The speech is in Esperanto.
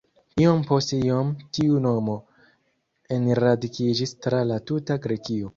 Iom post iom tiu nomo enradikiĝis tra la tuta Grekio.